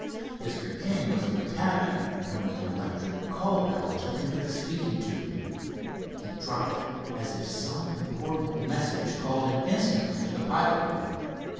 Mr. King was in the cabin when the electric call bell took him to the speaking tube. He dropped it as if some important message called him instantly to the pilot room.